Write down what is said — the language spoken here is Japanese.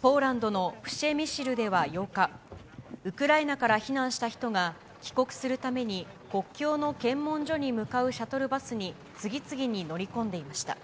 ポーランドのプシェミシルでは８日、ウクライナから避難した人が帰国するために、国境の検問所に向かうシャトルバスに、次々に乗り込んでいました。